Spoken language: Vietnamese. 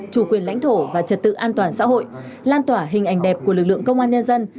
chủ quyền lãnh thổ và trật tự an toàn xã hội lan tỏa hình ảnh đẹp của lực lượng công an nhân dân